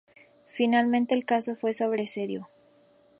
Finalmente el caso fue sobreseído.